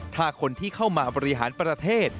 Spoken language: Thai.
ถ้าคนที่เข้ามาบริหารประเทศ